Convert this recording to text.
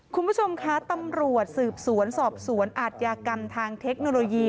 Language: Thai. คุณผู้ชมคะตำรวจสืบสวนสอบสวนอาทยากรรมทางเทคโนโลยี